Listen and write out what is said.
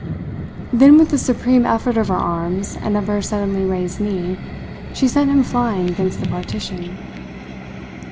Then with a supreme effort of her arms and of her suddenly raised knee, she sent him flying against the partition.